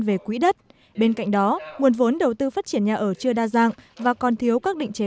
về quỹ đất bên cạnh đó nguồn vốn đầu tư phát triển nhà ở chưa đa dạng và còn thiếu các định chế